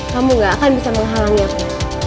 kamu gak akan bisa menghalangi aku